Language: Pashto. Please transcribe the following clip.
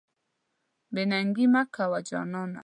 بې ننګي مه کوه جانانه.